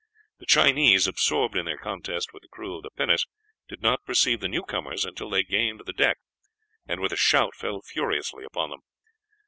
The Chinese, absorbed in their contest with the crew of the pinnace, did not perceive the newcomers until they gained the deck, and with a shout fell furiously upon them.